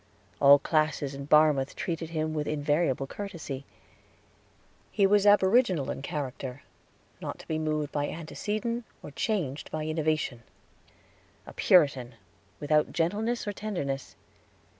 All classes in Barmouth treated him with invariable courtesy. He was aboriginal in character, not to be moved by antecedent or changed by innovation a Puritan, without gentleness or tenderness.